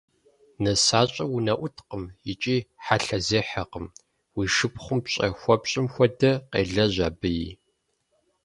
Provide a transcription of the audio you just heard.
Нысащӏэр унэӏуткъым, икӏи хьэлъэзехьэкъым, уи шыпхъум пщӏэ хуэпщӏым хуэдэ къелэжь абыи.